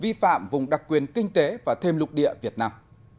vi phạm vùng đặc quyền kinh tế và thêm lục địa việt nam